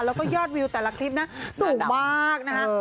แล้วก็ยอดวิวแต่ละคลิปนะสูงมากนะคะ